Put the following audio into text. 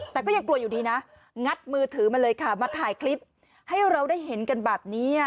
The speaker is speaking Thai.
แต่ก็ยังกลัวอยู่ดีนะงัดมือถือมาเลยค่ะมาถ่ายคลิปให้เราได้เห็นกันแบบนี้